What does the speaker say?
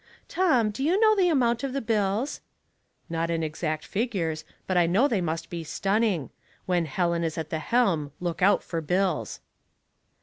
'' Tom, do you know the amount of the bills ?"" Not in exact figures ; but I know they must be stunning. When Helen is at the helm look out lor bills."